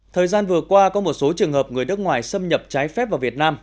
thời gian vừa qua có một số trường hợp người nước ngoài xâm nhập trái phép vào việt nam